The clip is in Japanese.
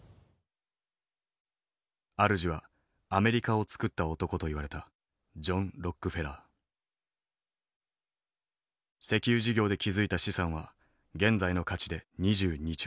あるじはアメリカをつくった男といわれた石油事業で築いた資産は現在の価値で２２兆円。